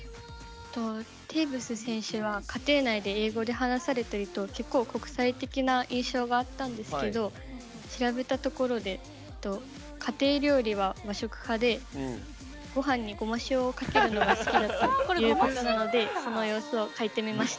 テーブス選手は家庭内で英語で話されていると結構、国際的な印象があったんですけど調べたところで家庭料理は和食派でごはんに、ごま塩をかけるのが好きだということなのでその様子を描いてみました。